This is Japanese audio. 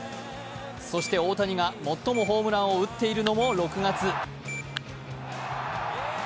そして大谷が最もホームランを打っているのも６月。